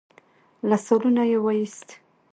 له سالونه يې وايست.